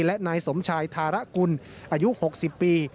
และนายสมชายธาระกุลอายุ๖๐ปี